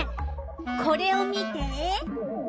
これを見て！